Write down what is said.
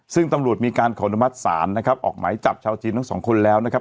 ซึ่งตำรวจมีการขออนุมัติศาลนะครับออกหมายจับชาวจีนทั้งสองคนแล้วนะครับ